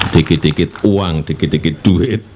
dikit dikit uang dikit dikit duit